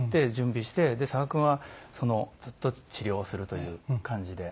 佐賀君はずっと治療をするという感じで。